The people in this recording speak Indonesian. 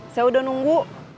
saya udah nunggu